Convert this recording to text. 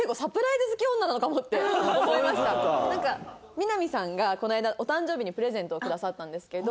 みな実さんがこの間お誕生日にプレゼントをくださったんですけど。